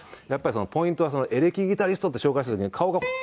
やっぱりポイントはエレキギタリストって紹介する時に顔が。